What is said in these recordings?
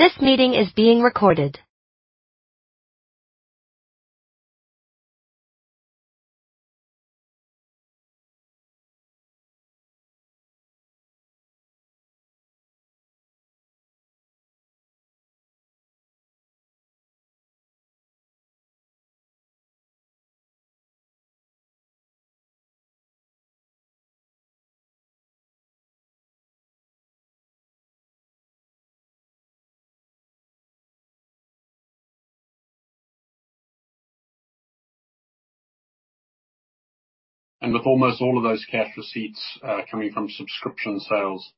This meeting is being recorded. With almost all of those cash receipts coming from subscription sales,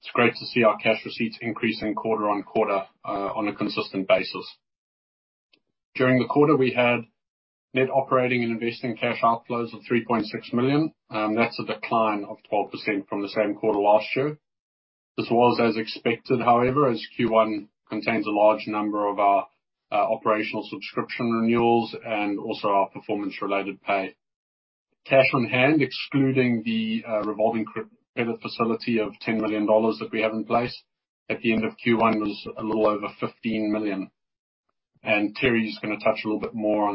it's great to see our cash receipts increasing quarter-over-quarter on a consistent basis. During the quarter, we had net operating and investing cash outflows of $3.6 million. That's a decline of 12% from the same quarter last year. This was as expected, however, as Q1 contains a large number of our operational subscription renewals and also our performance-related pay. Cash on hand, excluding the revolving credit facility of $10 million that we have in place at the end of Q1, was a little over $15 million. Teri is gonna touch a little bit more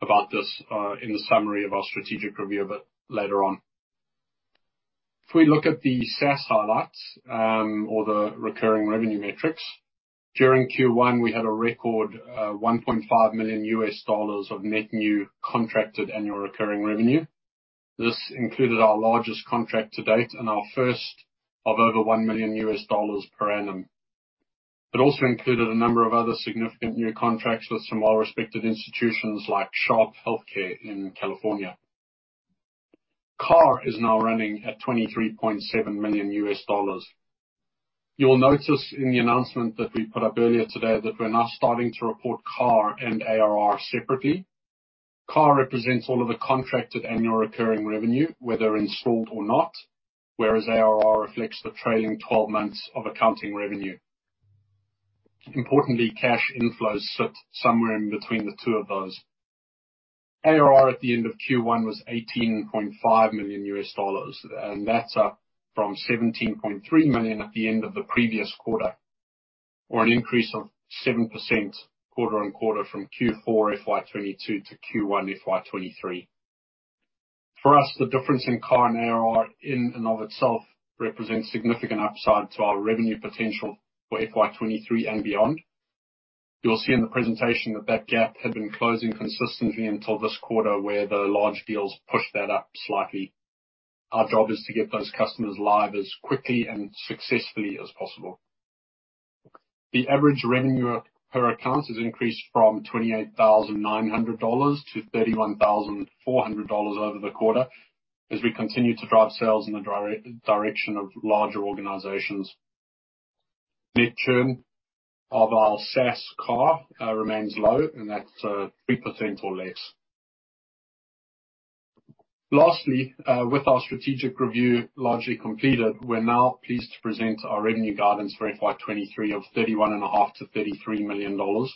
about this in the summary of our strategic review a bit later on. If we look at the SaaS highlights, or the recurring revenue metrics, during Q1, we had a record, $1.5 million of net new contracted annual recurring revenue. This included our largest contract to date and our first of over $1 million per annum. It also included a number of other significant new contracts with some well-respected institutions like Sharp HealthCare in California. CARR is now running at $23.7 million. You'll notice in the announcement that we put up earlier today that we're now starting to report CARR and ARR separately. CARR represents all of the contracted annual recurring revenue, whether installed or not, whereas ARR reflects the trailing twelve months of accounting revenue. Importantly, cash inflows sit somewhere in between the two of those. ARR at the end of Q1 was $18.5 million, and that's up from $17.3 million at the end of the previous quarter, or an increase of 7% quarter-on-quarter from Q4 FY 2022 to Q1 FY 2023. For us, the difference in CARR and ARR in and of itself represents significant upside to our revenue potential for FY 2023 and beyond. You'll see in the presentation that that gap had been closing consistently until this quarter, where the large deals pushed that up slightly. Our job is to get those customers live as quickly and successfully as possible. The average revenue per account has increased from $28,900-$31,400 over the quarter as we continue to drive sales in the direction of larger organizations. Net churn of our SaaS CARR remains low, and that's 3% or less. With our strategic review largely completed, we're now pleased to present our revenue guidance for FY 2023 of 31.5 million-33 million dollars.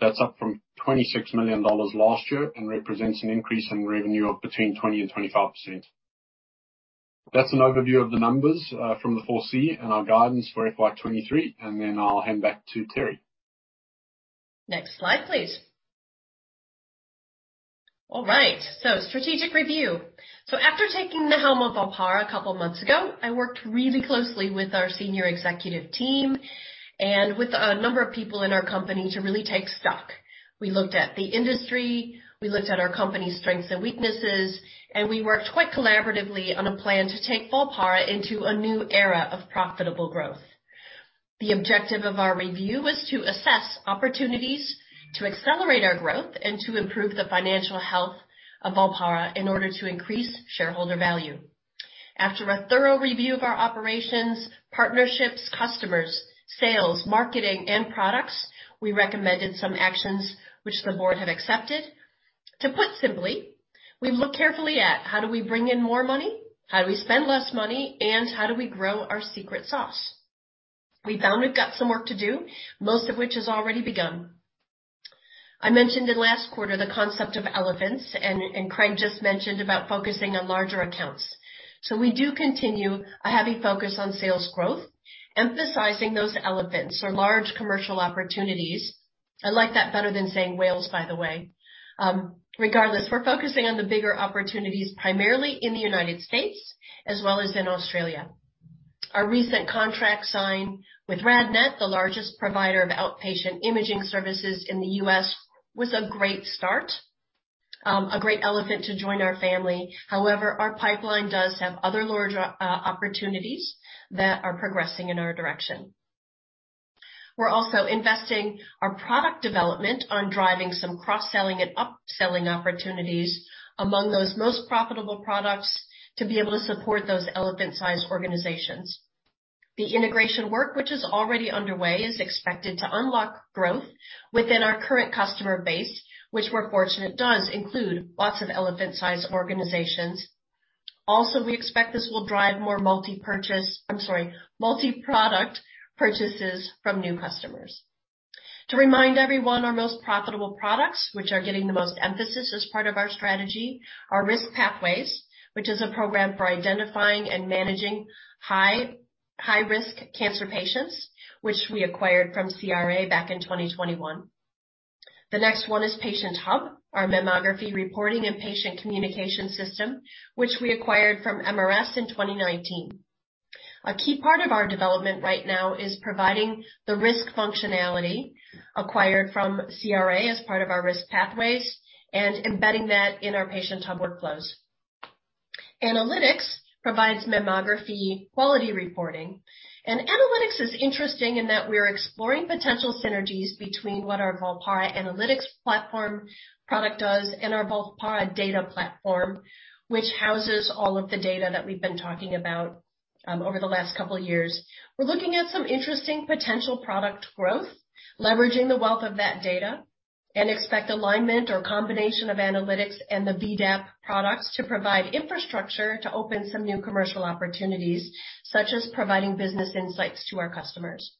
That's up from 26 million dollars last year and represents an increase in revenue of between 20% and 25%. That's an overview of the numbers from the 4C and our guidance for FY 2023, and then I'll hand back to Teri. Next slide, please. All right, strategic review. After taking the helm of Volpara a couple months ago, I worked really closely with our Senior Executive Team and with a number of people in our company to really take stock. We looked at the industry, we looked at our company's strengths and weaknesses, and we worked quite collaboratively on a plan to take Volpara into a new era of profitable growth. The objective of our review was to assess opportunities to accelerate our growth and to improve the financial health of Volpara in order to increase shareholder value. After a thorough review of our operations, partnerships, customers, sales, marketing, and products, we recommended some actions which the board have accepted. To put simply, we've looked carefully at how do we bring in more money? How do we spend less money? How do we grow our secret sauce? We found we've got some work to do, most of which has already begun. I mentioned in last quarter the concept of elephants, and Craig just mentioned about focusing on larger accounts. We do continue a heavy focus on sales growth, emphasizing those elephants or large commercial opportunities. I like that better than saying whales, by the way. Regardless, we're focusing on the bigger opportunities, primarily in the United States as well as in Australia. Our recent contract signed with RadNet, the largest provider of outpatient imaging services in the U.S., was a great start, a great elephant to join our family. However, our pipeline does have other larger opportunities that are progressing in our direction. We're also investing our product development on driving some cross-selling and upselling opportunities among those most profitable products to be able to support those elephant-sized organizations. The integration work, which is already underway, is expected to unlock growth within our current customer base, which we're fortunate does include lots of elephant-sized organizations. Also, we expect this will drive more multi-product purchases from new customers. To remind everyone, our most profitable products, which are getting the most emphasis as part of our strategy, are Risk Pathways, which is a program for identifying and managing high-risk cancer patients, which we acquired from CRA back in 2021. The next one is Patient Hub, our mammography reporting and patient communication system, which we acquired from MRS in 2019. A key part of our development right now is providing the risk functionality acquired from CRA as part of our Risk Pathways and embedding that in our Patient Hub workflows. Volpara Analytics provides mammography quality reporting. Analytics is interesting in that we're exploring potential synergies between what our Volpara Analytics platform product does and our Volpara Data Platform, which houses all of the data that we've been talking about over the last couple years. We're looking at some interesting potential product growth, leveraging the wealth of that data, and expect alignment or combination of analytics and the VDAP products to provide infrastructure to open some new commercial opportunities, such as providing business insights to our customers.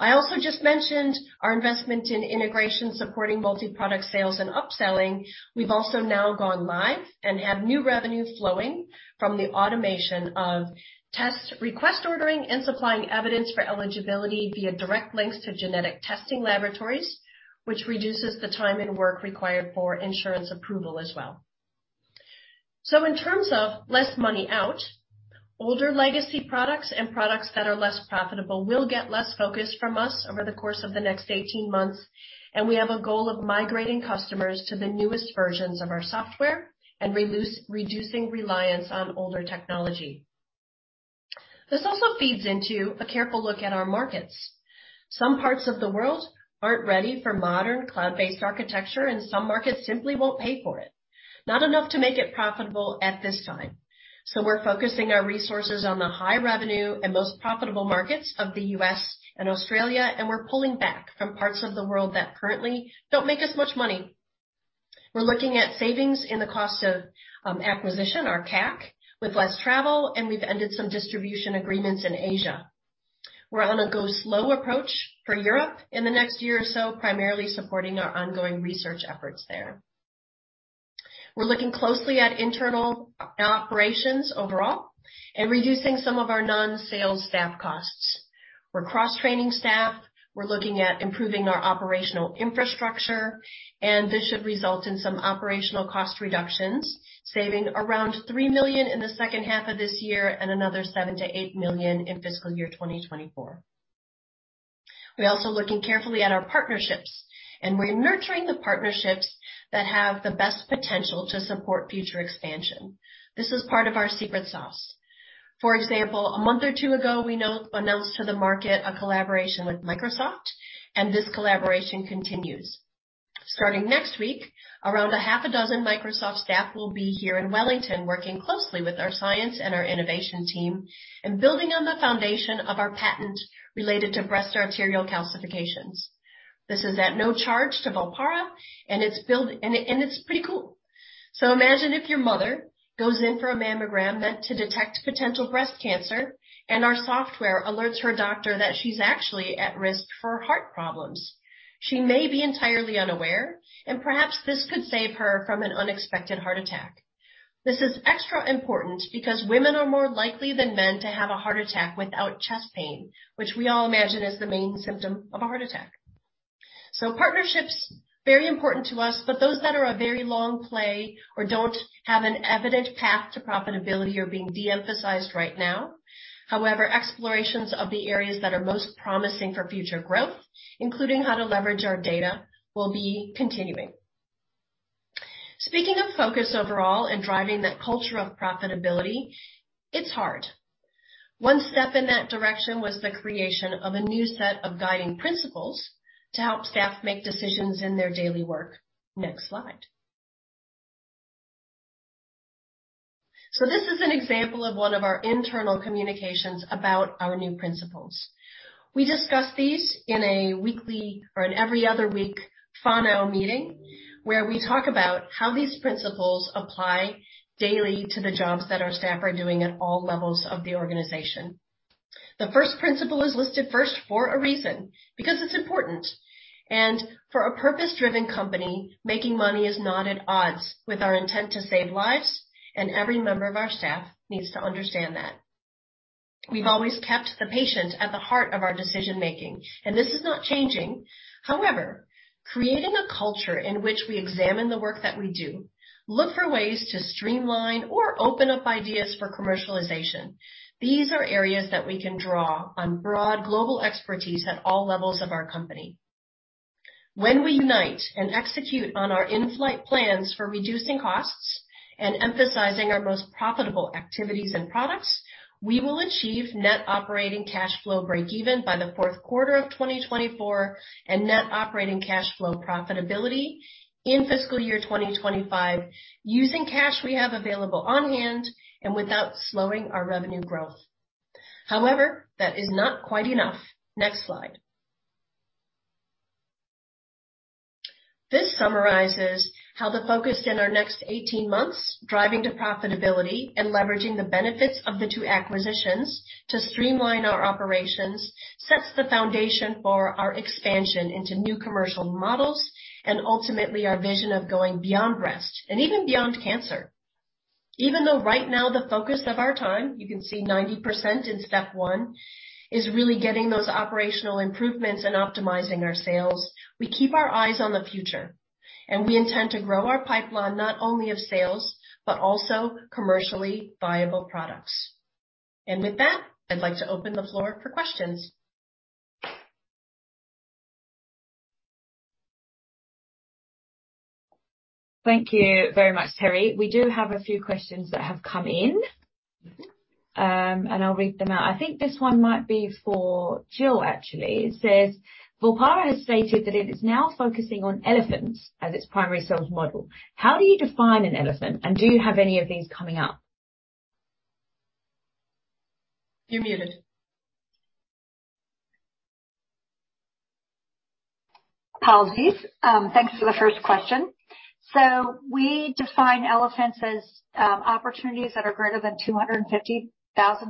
I also just mentioned our investment in integration supporting multi-product sales and upselling. We've also now gone live and have new revenue flowing from the automation of test request ordering and supplying evidence for eligibility via direct links to genetic testing laboratories, which reduces the time and work required for insurance approval as well. In terms of less money out, older legacy products and products that are less profitable will get less focus from us over the course of the next 18 months, and we have a goal of migrating customers to the newest versions of our software and reducing reliance on older technology. This also feeds into a careful look at our markets. Some parts of the world aren't ready for modern cloud-based architecture, and some markets simply won't pay for it, not enough to make it profitable at this time. We're focusing our resources on the high revenue and most profitable markets of the U.S. and Australia, and we're pulling back from parts of the world that currently don't make us much money. We're looking at savings in the cost of acquisition, our CAC, with less travel, and we've ended some distribution agreements in Asia. We're on a go slow approach for Europe in the next year or so, primarily supporting our ongoing research efforts there. We're looking closely at internal operations overall and reducing some of our non-sales staff costs. We're cross-training staff. We're looking at improving our operational infrastructure, and this should result in some operational cost reductions, saving around 3 million in the second half of this year and another 7 million-8 million in fiscal year 2024. We're also looking carefully at our partnerships, and we're nurturing the partnerships that have the best potential to support future expansion. This is part of our secret sauce. For example, a month or two ago, we announced to the market a collaboration with Microsoft, and this collaboration continues. Starting next week, around a half a dozen Microsoft staff will be here in Wellington working closely with our science and our innovation team and building on the foundation of our patent related to breast arterial calcifications. This is at no charge to Volpara, and it's pretty cool. Imagine if your mother goes in for a mammogram meant to detect potential breast cancer, and our software alerts her doctor that she's actually at risk for heart problems. She may be entirely unaware, and perhaps this could save her from an unexpected heart attack. This is extra important because women are more likely than men to have a heart attack without chest pain, which we all imagine is the main symptom of a heart attack. Partnerships, very important to us, but those that are a very long play or don't have an evident path to profitability are being de-emphasized right now. However, explorations of the areas that are most promising for future growth, including how to leverage our data, will be continuing. Speaking of focus overall and driving that culture of profitability, it's hard. One step in that direction was the creation of a new set of guiding principles to help staff make decisions in their daily work. Next slide. This is an example of one of our internal communications about our new principles. We discuss these in a weekly or an every other week whānau meeting, where we talk about how these principles apply daily to the jobs that our staff are doing at all levels of the organization. The first principle is listed first for a reason, because it's important. For a purpose-driven company, making money is not at odds with our intent to save lives, and every member of our staff needs to understand that. We've always kept the patient at the heart of our decision-making, and this is not changing. However, creating a culture in which we examine the work that we do, look for ways to streamline or open up ideas for commercialization, these are areas that we can draw on broad global expertise at all levels of our company. When we unite and execute on our in-flight plans for reducing costs and emphasizing our most profitable activities and products, we will achieve net operating cash flow breakeven by the fourth quarter of 2024 and net operating cash flow profitability in fiscal year 2025 using cash we have available on hand and without slowing our revenue growth. However, that is not quite enough. Next slide. This summarizes how the focus in our next 18 months, driving to profitability and leveraging the benefits of the two acquisitions to streamline our operations, sets the foundation for our expansion into new commercial models and ultimately our vision of going beyond breast and even beyond cancer. Even though right now the focus of our time, you can see 90% in step one, is really getting those operational improvements and optimizing our sales. We keep our eyes on the future, and we intend to grow our pipeline not only of sales but also commercially viable products. With that, I'd like to open the floor for questions. Thank you very much, Teri. We do have a few questions that have come in. Mm-hmm. I'll read them out. I think this one might be for Jill actually. It says, "Volpara has stated that it is now focusing on elephants as its primary sales model. How do you define an elephant, and do you have any of these coming up?" You're muted. Apologies. Thanks for the first question. We define elephants as opportunities that are greater than 250,000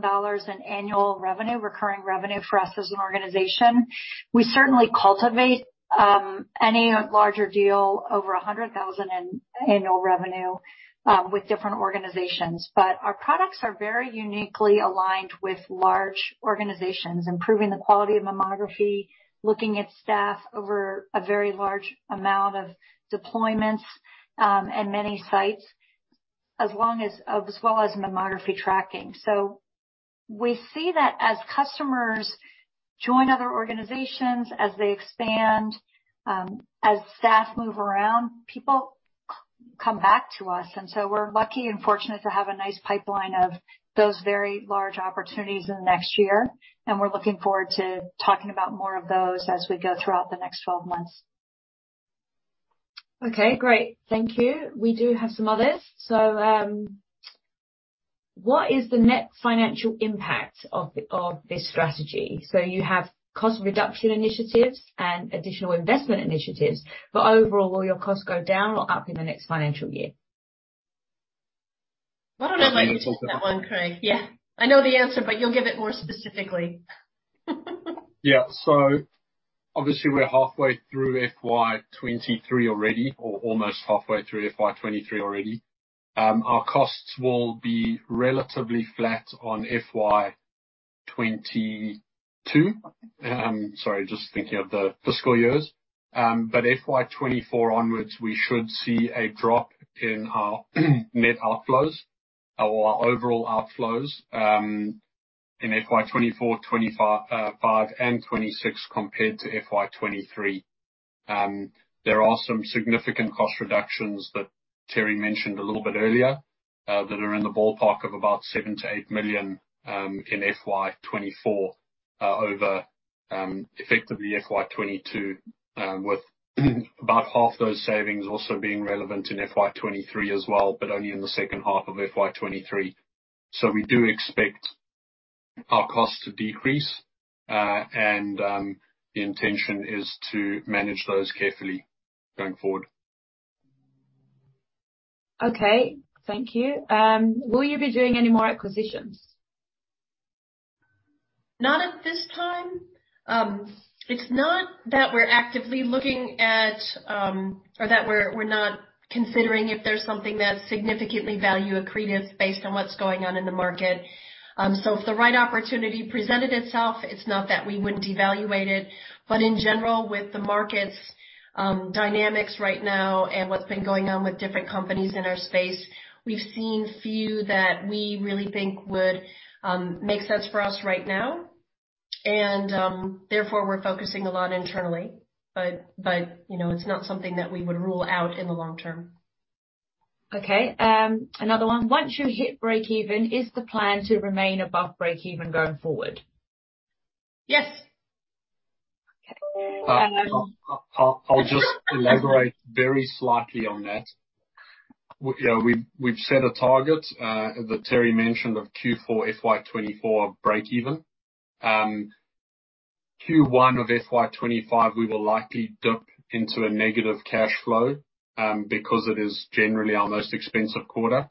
dollars in annual revenue, recurring revenue for us as an organization. We certainly cultivate any larger deal over a 100,000 in annual revenue with different organizations. Our products are very uniquely aligned with large organizations, improving the quality of mammography, looking at staff over a very large amount of deployments, and many sites. As well as mammography tracking. We see that as customers join other organizations, as they expand, as staff move around, people come back to us. We're lucky and fortunate to have a nice pipeline of those very large opportunities in the next year, and we're looking forward to talking about more of those as we go throughout the next 12 months. Okay, great. Thank you. We do have some others. What is the net financial impact of this strategy? You have cost reduction initiatives and additional investment initiatives, but overall, will your costs go down or up in the next financial year? Why don't I let you take that one, Craig? Yeah, I know the answer, but you'll give it more specifically. Yeah. Obviously we're halfway through FY 2023 already, or almost halfway through FY 2023 already. Our costs will be relatively flat on FY 2022. Sorry, just thinking of the fiscal years. FY 2024 onwards, we should see a drop in our net outflows or our overall outflows in FY 2024, 2025, and 2026, compared to FY 2023. There are some significant cost reductions that Teri mentioned a little bit earlier that are in the ballpark of about 7 million-8 million in FY 2024 over effectively FY 2022. With about half those savings also being relevant in FY 2023 as well, but only in the second half of FY 2023. We do expect our costs to decrease. The intention is to manage those carefully going forward. Okay. Thank you. Will you be doing any more acquisitions? Not at this time. It's not that we're actively looking at or that we're not considering if there's something that's significantly value accretive based on what's going on in the market. If the right opportunity presented itself, it's not that we wouldn't evaluate it. In general, with the market's dynamics right now and what's been going on with different companies in our space, we've seen few that we really think would make sense for us right now and therefore we're focusing a lot internally. You know, it's not something that we would rule out in the long term. Okay. Another one. Once you hit breakeven, is the plan to remain above breakeven going forward? Yes. Okay. I'll just elaborate very slightly on that. You know, we've set a target that Teri mentioned of Q4 FY 2024 breakeven. Q1 of FY 2025, we will likely dip into a negative cash flow, because it is generally our most expensive quarter,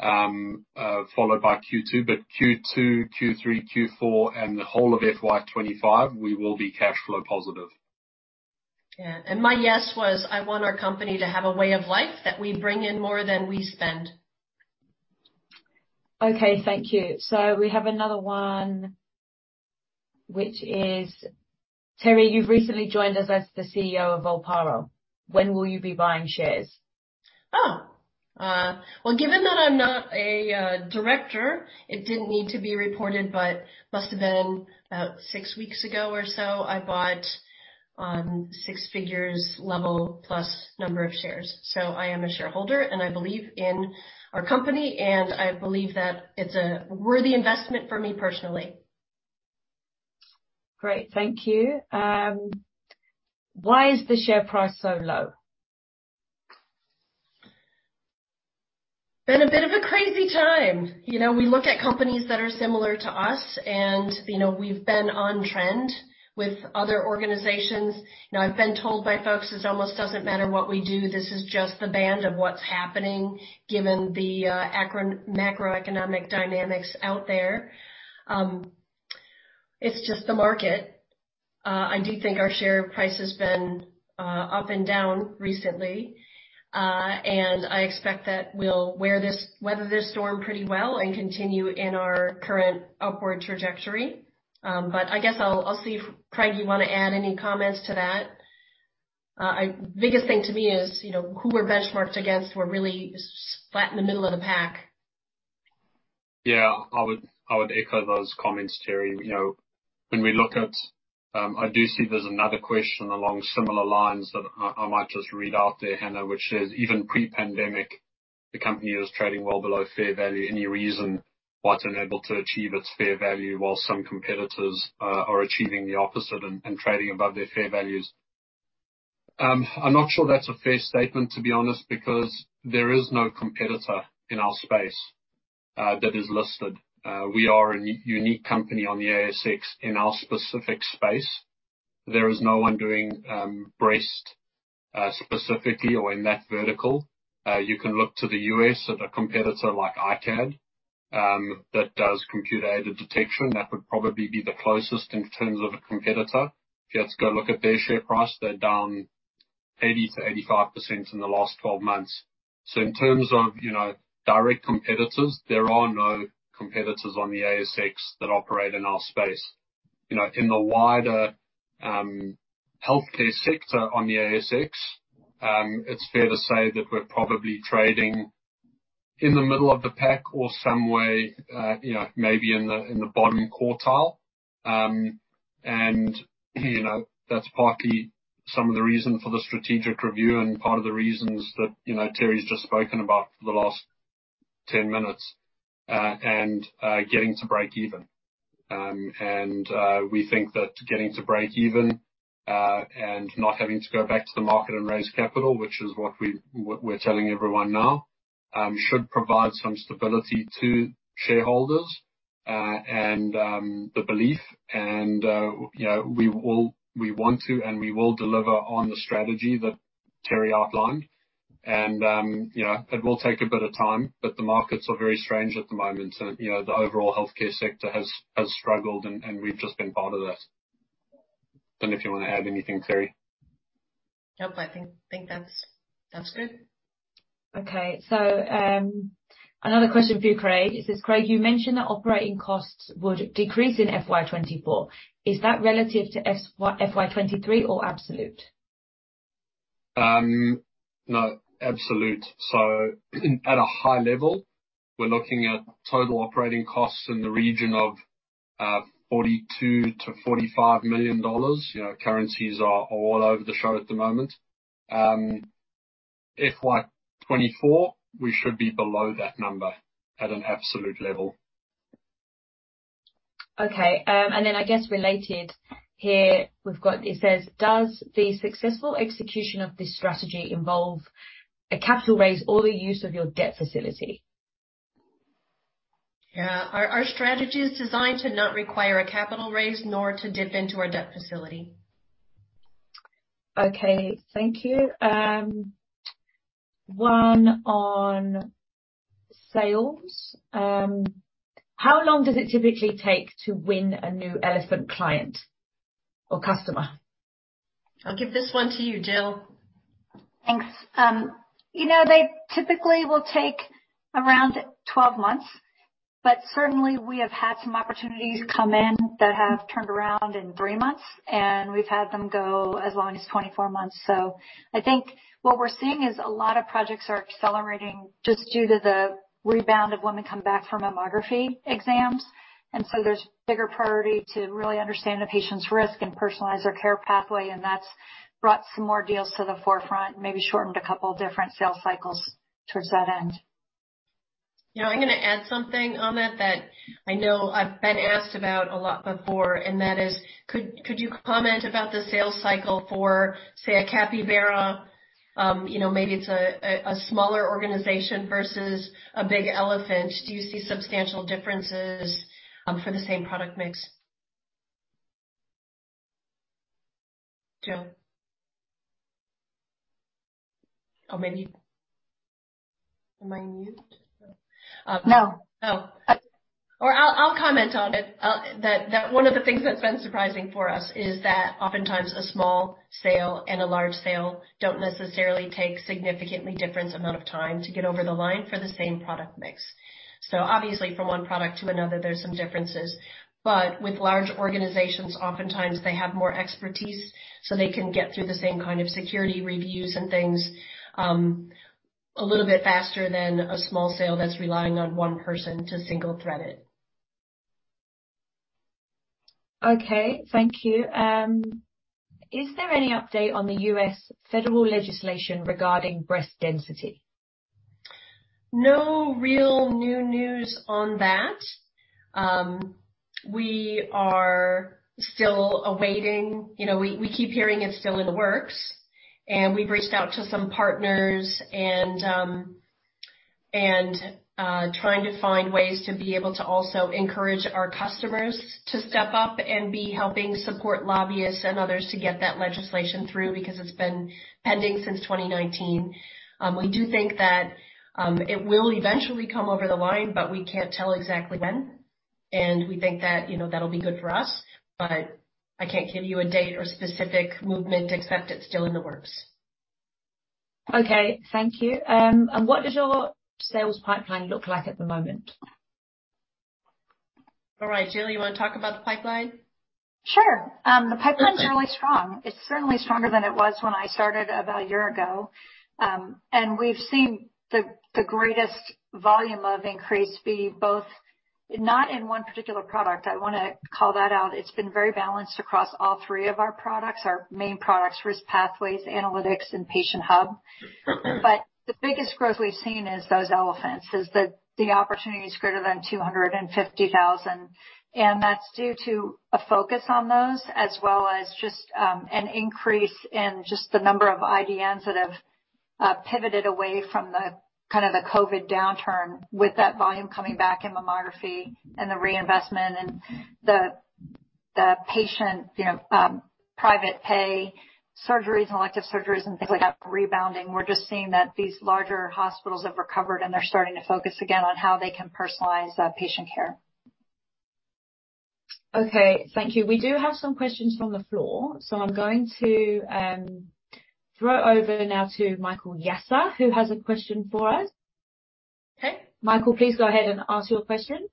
followed by Q2. Q2, Q3, Q4, and the whole of FY 2025, we will be cash flow positive. Yeah. My yes was, I want our company to have a way of life that we bring in more than we spend. Okay. Thank you. We have another one, which is, "Teri, you've recently joined us as the CEO of Volpara. When will you be buying shares? Well, given that I'm not a Director, it didn't need to be reported, but must have been about six weeks ago or so, I bought six figures level plus number of shares. I am a shareholder, and I believe in our company, and I believe that it's a worthy investment for me personally. Great. Thank you. Why is the share price so low? Been a bit of a crazy time. You know, we look at companies that are similar to us and, you know, we've been on trend with other organizations. You know, I've been told by folks it almost doesn't matter what we do, this is just the band of what's happening given the macroeconomic dynamics out there. It's just the market. I do think our share price has been up and down recently. I expect that we'll weather this storm pretty well and continue in our current upward trajectory. I guess I'll see if, Craig, you wanna add any comments to that. Biggest thing to me is, you know, who we're benchmarked against, we're really flat in the middle of the pack. Yeah. I would echo those comments, Teri. You know, when we look at, I do see there's another question along similar lines that I might just read out there, Hannah, which says, "Even pre-pandemic, the company was trading well below fair value. Any reason why it's unable to achieve its fair value while some competitors are achieving the opposite and trading above their fair values?" I'm not sure that's a fair statement, to be honest, because there is no competitor in our space that is listed. We are a unique company on the ASX in our specific space. There is no one doing breast specifically or in that vertical. You can look to the U.S. At a competitor like iCAD that does computer-aided detection. That would probably be the closest in terms of a competitor. If you had to go look at their share price, they're down 80%-85% in the last 12 months. In terms of, you know, direct competitors, there are no competitors on the ASX that operate in our space. You know, in the wider healthcare sector on the ASX, it's fair to say that we're probably trading in the middle of the pack or some way, you know, maybe in the bottom quartile. You know, that's partly some of the reason for the strategic review and part of the reasons that, you know, Teri's just spoken about for the last 10 minutes, getting to break even. We think that getting to break even and not having to go back to the market and raise capital, which is what we're telling everyone now, should provide some stability to shareholders and the belief and you know we want to and we will deliver on the strategy that Teri outlined. You know, it will take a bit of time, but the markets are very strange at the moment. You know, the overall healthcare sector has struggled and we've just been part of that. Don't know if you wanna add anything, Teri. Nope. I think that's good. Another question for you, Craig. It says, "Craig, you mentioned that operating costs would decrease in FY 2024. Is that relative to FY 2023 or absolute? No, absolute. At a high level, we're looking at total operating costs in the region of 42 million-45 million dollars. You know, currencies are all over the show at the moment. FY 2024, we should be below that number at an absolute level. Okay. I guess related, here we've got, it says, "Does the successful execution of this strategy involve a capital raise or the use of your debt facility? Yeah. Our strategy is designed to not require a capital raise nor to dip into our debt facility. Okay. Thank you. One on sales. How long does it typically take to win a new elephant client or customer? I'll give this one to you, Jill. Thanks. You know, they typically will take around 12 months. Certainly we have had some opportunities come in that have turned around in three months, and we've had them go as long as 24 months. I think what we're seeing is a lot of projects are accelerating just due to the rebound of women coming back for mammography exams. There's bigger priority to really understand the patient's risk and personalize their care pathway, and that's brought some more deals to the forefront, maybe shortened a couple different sales cycles towards that end. You know, I'm gonna add something on it that I know I've been asked about a lot before, and that is could you comment about the sales cycle for, say, a capybara? You know, maybe it's a smaller organization versus a big elephant. Do you see substantial differences for the same product mix? Jill? Or maybe. Am I on mute? No. I'll comment on it. That one of the things that's been surprising for us is that oftentimes a small sale and a large sale don't necessarily take significantly different amount of time to get over the line for the same product mix. Obviously from one product to another, there's some differences, but with large organizations, oftentimes they have more expertise, so they can get through the same kind of security reviews and things, a little bit faster than a small sale that's relying on one person to single thread it. Okay. Thank you. Is there any update on the U.S. federal legislation regarding breast density? No real new news on that. We are still awaiting. You know, we keep hearing it's still in the works, and we've reached out to some partners and trying to find ways to be able to also encourage our customers to step up and be helping support lobbyists and others to get that legislation through because it's been pending since 2019. We do think that it will eventually come over the line, but we can't tell exactly when. We think that, you know, that'll be good for us. I can't give you a date or specific movement, except it's still in the works. Okay. Thank you. What does your sales pipeline look like at the moment? All right. Jill, you wanna talk about the pipeline? Sure. The pipeline. Perfect is really strong. It's certainly stronger than it was when I started about a year ago. We've seen the greatest volume of increased fee, not in one particular product. I wanna call that out. It's been very balanced across all three of our products, our main products: Risk Pathways, Analytics, and Patient Hub. Mm-hmm. The biggest growth we've seen is those elephants. The opportunity is greater than 250,000, and that's due to a focus on those, as well as just an increase in just the number of IDNs that have pivoted away from the kind of the COVID downturn, with that volume coming back in mammography and the reinvestment and the patient, you know, private pay surgeries and elective surgeries and things like that rebounding. We're just seeing that these larger hospitals have recovered, and they're starting to focus again on how they can personalize that patient care. Okay, thank you. We do have some questions from the floor. I'm going to throw over now to Michael Yasser, who has a question for us. Okay. Michael, please go ahead and ask your question.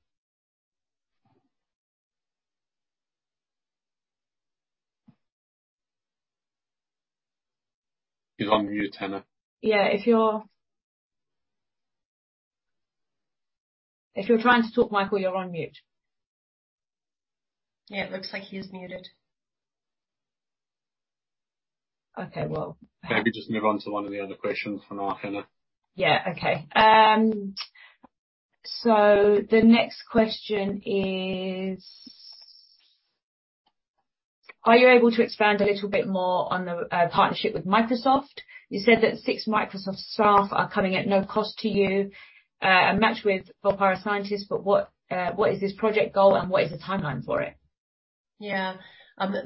He's on mute, Hannah. Yeah, if you're trying to talk, Michael, you're on mute. Yeah, it looks like he is muted. Okay. Well Maybe just move on to one of the other questions for now, Hannah. Yeah. Okay. The next question is: Are you able to expand a little bit more on the partnership with Microsoft? You said that six Microsoft staff are coming at no cost to you and matched with Volpara scientists, but what is this project goal, and what is the timeline for it? Yeah.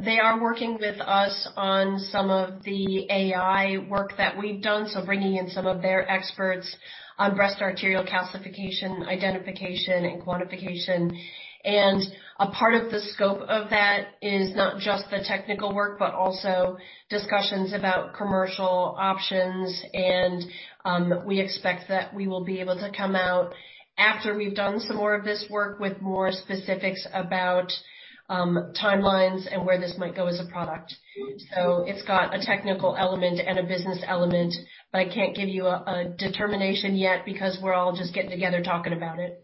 They are working with us on some of the AI work that we've done, so bringing in some of their experts on breast arterial calcification, identification and quantification. A part of the scope of that is not just the technical work, but also discussions about commercial options and we expect that we will be able to come out after we've done some more of this work with more specifics about timelines and where this might go as a product. It's got a technical element and a business element, but I can't give you a determination yet because we're all just getting together talking about it.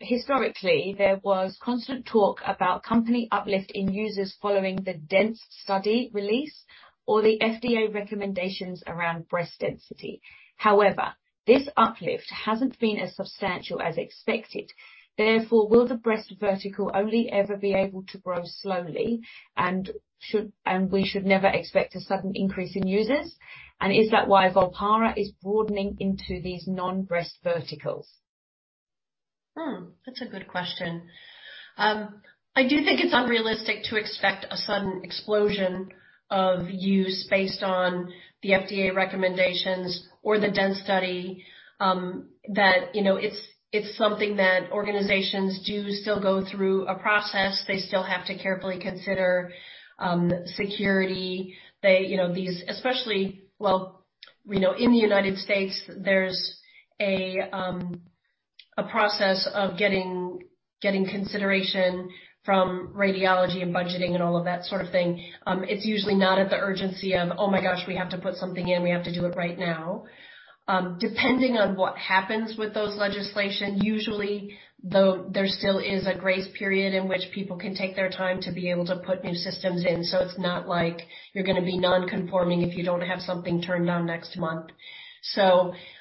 Historically, there was constant talk about company uplift in users following the DENSE study release or the FDA recommendations around breast density. However, this uplift hasn't been as substantial as expected. Therefore, will the breast vertical only ever be able to grow slowly, and we should never expect a sudden increase in users? And is that why Volpara is broadening into these non-breast verticals? That's a good question. I do think it's unrealistic to expect a sudden explosion of use based on the FDA recommendations or the DENSE study, you know, it's something that organizations do still go through a process. They still have to carefully consider security. Especially, well, you know, in the United States, there's a process of getting consideration from radiology and budgeting and all of that sort of thing. It's usually not at the urgency of, "Oh my gosh, we have to put something in. We have to do it right now." Depending on what happens with those legislation, usually, though, there still is a grace period in which people can take their time to be able to put new systems in. It's not like you're gonna be non-conforming if you don't have something turned on next month.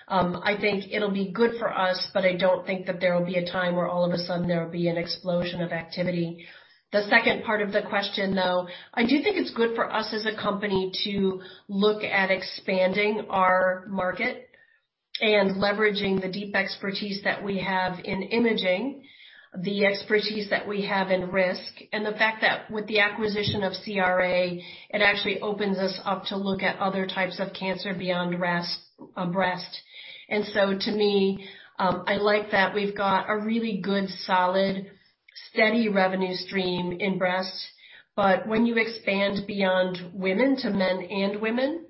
I think it'll be good for us, but I don't think that there will be a time where all of a sudden there will be an explosion of activity. The second part of the question, though, I do think it's good for us as a company to look at expanding our market and leveraging the deep expertise that we have in imaging, the expertise that we have in risk, and the fact that with the acquisition of CRA, it actually opens us up to look at other types of cancer beyond breast. To me, I like that we've got a really good, solid, steady revenue stream in breast, but when you expand beyond women to men and women,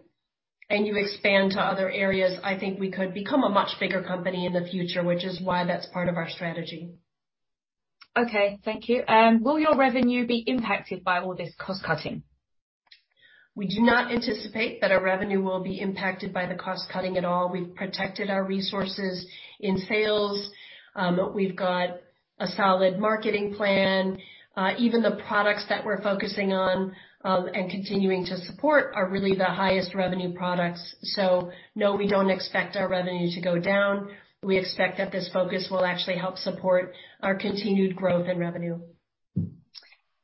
and you expand to other areas, I think we could become a much bigger company in the future, which is why that's part of our strategy. Okay. Thank you. Will your revenue be impacted by all this cost-cutting? We do not anticipate that our revenue will be impacted by the cost-cutting at all. We've protected our resources in sales. We've got a solid marketing plan. Even the products that we're focusing on, and continuing to support are really the highest revenue products. No, we don't expect our revenue to go down. We expect that this focus will actually help support our continued growth and revenue.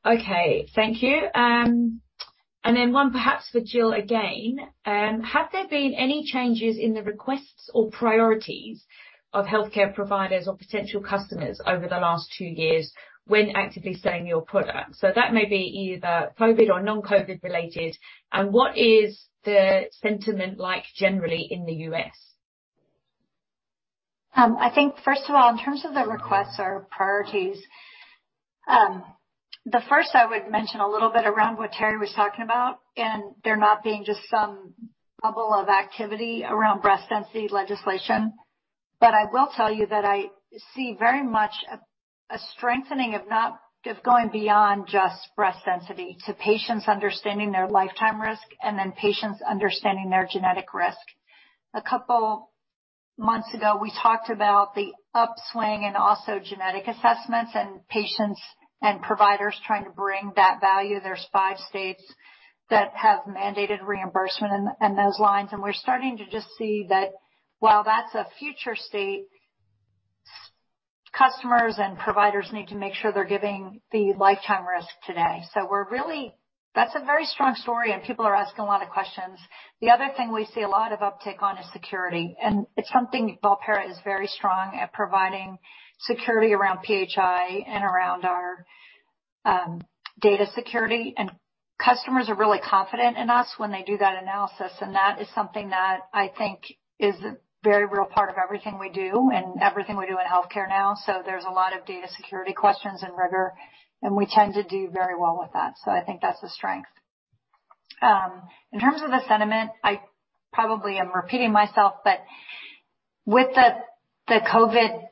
Okay. Thank you. One perhaps for Jill again. Have there been any changes in the requests or priorities of healthcare providers or potential customers over the last two years when actively selling your product? That may be either COVID or non-COVID related. What is the sentiment like generally in the U.S.? I think first of all, in terms of the requests or priorities, the first I would mention a little bit around what Teri was talking about, and there not being just some bubble of activity around breast density legislation. I will tell you that I see very much a strengthening of not just going beyond just breast density to patients understanding their lifetime risk and then patients understanding their genetic risk. A couple months ago, we talked about the upswing in genetic assessments and patients and providers trying to bring that value. There's five states that have mandated reimbursement in those lines, and we're starting to just see that while that's a future state, our customers and providers need to make sure they're giving the lifetime risk today. That's a very strong story, and people are asking a lot of questions. The other thing we see a lot of uptick on is security, and it's something Volpara is very strong at providing security around PHI and around our data security. Customers are really confident in us when they do that analysis. That is something that I think is a very real part of everything we do and everything we do in healthcare now. There's a lot of data security questions and rigor, and we tend to do very well with that. I think that's a strength. In terms of the sentiment, I probably am repeating myself, but with the COVID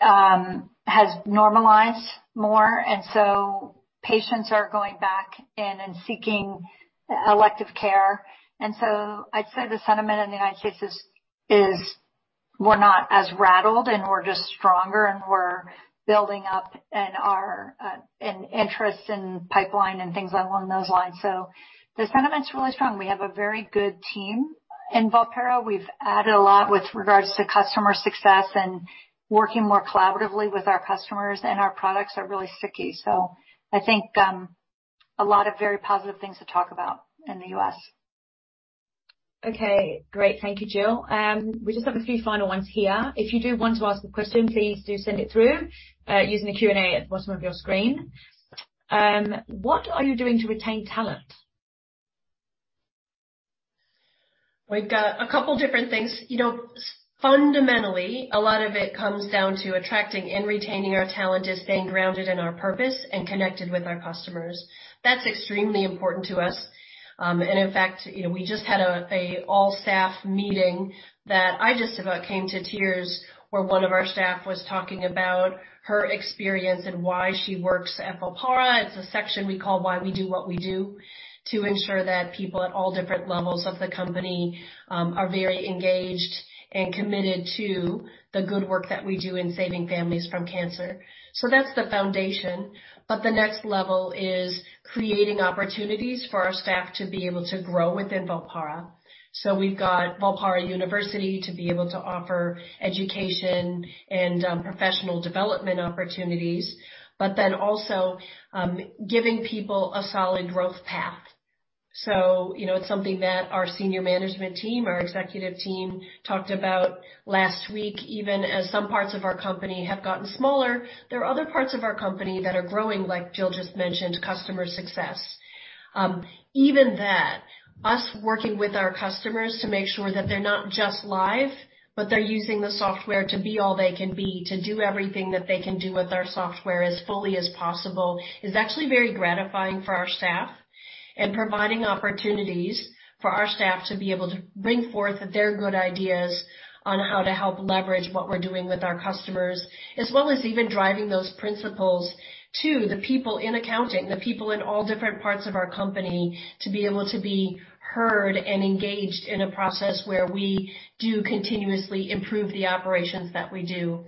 has normalized more, and so patients are going back in and seeking elective care. I'd say the sentiment in the United States is we're not as rattled, and we're just stronger, and we're building up in our interest in pipeline and things along those lines. The sentiment's really strong. We have a very good team. In Volpara, we've added a lot with regards to customer success and working more collaboratively with our customers, and our products are really sticky. I think a lot of very positive things to talk about in the US. Okay, great. Thank you, Jill. We just have a few final ones here. If you do want to ask a question, please do send it through, using the Q&A at the bottom of your screen. What are you doing to retain talent? We've got a couple different things. You know, fundamentally, a lot of it comes down to attracting and retaining our talent is staying grounded in our purpose and connected with our customers. That's extremely important to us. And in fact, you know, we just had a all staff meeting that I just about came to tears where one of our staff was talking about her experience and why she works at Volpara. It's a section we call Why We Do What We Do to ensure that people at all different levels of the company are very engaged and committed to the good work that we do in saving families from cancer. That's the foundation. The next level is creating opportunities for our staff to be able to grow within Volpara. We've got Volpara University to be able to offer education and professional development opportunities, but then also giving people a solid growth path. You know, it's something that our senior management team, our executive team talked about last week. Even as some parts of our company have gotten smaller, there are other parts of our company that are growing, like Jill just mentioned, customer success. Even that, us working with our customers to make sure that they're not just live, but they're using the software to be all they can be, to do everything that they can do with our software as fully as possible, is actually very gratifying for our staff. Providing opportunities for our staff to be able to bring forth their good ideas on how to help leverage what we're doing with our customers, as well as even driving those principles to the people in accounting, the people in all different parts of our company, to be able to be heard and engaged in a process where we do continuously improve the operations that we do.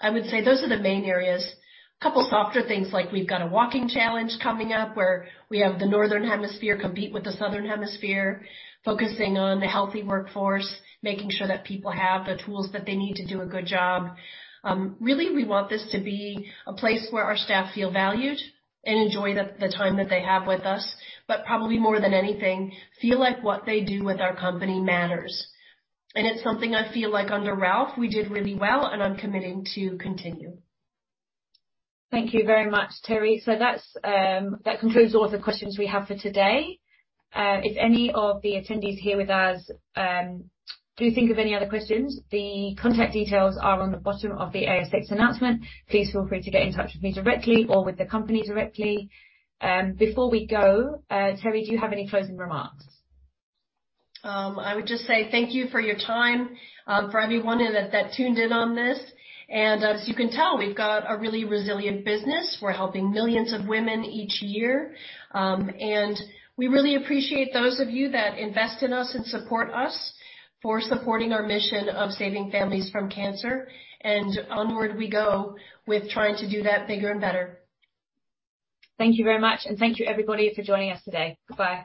I would say those are the main areas. A couple softer things, like we've got a walking challenge coming up where we have the Northern Hemisphere compete with the Southern Hemisphere, focusing on the healthy workforce, making sure that people have the tools that they need to do a good job. Really, we want this to be a place where our staff feel valued and enjoy the time that they have with us, but probably more than anything, feel like what they do with our company matters. It's something I feel like under Ralph, we did really well, and I'm committing to continue. Thank you very much, Teri. That concludes all the questions we have for today. If any of the attendees here with us do think of any other questions, the contact details are on the bottom of the ASX announcement. Please feel free to get in touch with me directly or with the company directly. Before we go, Teri, do you have any closing remarks? I would just say thank you for your time for everyone that tuned in on this. As you can tell, we've got a really resilient business. We're helping millions of women each year. We really appreciate those of you that invest in us and support us for supporting our mission of saving families from cancer. Onward we go with trying to do that bigger and better. Thank you very much, and thank you, everybody, for joining us today. Goodbye.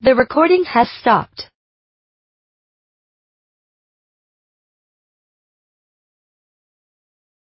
The recording has stopped.